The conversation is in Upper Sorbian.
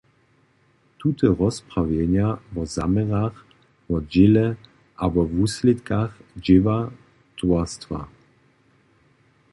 Tute rozprawjeja wo zaměrach, wo dźěle a wo wuslědkach dźěła towarstwa.